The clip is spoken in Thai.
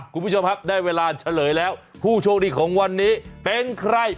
คุณผู้ชมครับได้เวลาเฉลยแล้วผู้โชคดีของวันนี้เป็นใคร